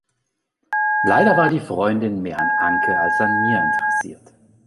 Leider war die Freundin mehr an Anke als an mir interessiert.